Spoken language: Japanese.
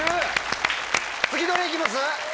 次どれ行きます？